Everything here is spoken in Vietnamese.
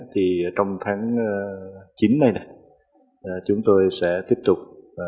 thì trong tháng chín này này chúng tôi sẽ tiếp tục